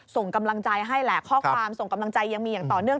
ส่งกำลังใจให้แหละข้อความส่งกำลังใจยังมีอย่างต่อเนื่อง